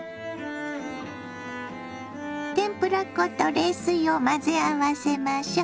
天ぷら粉と冷水を混ぜ合わせましょ。